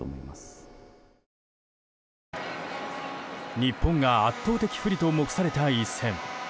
日本が圧倒的不利と目された一戦。